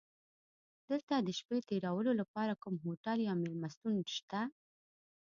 دلته د شپې تېرولو لپاره کوم هوټل یا میلمستون شته؟